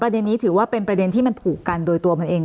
นี้ถือว่าเป็นประเด็นที่มันผูกกันโดยตัวมันเอง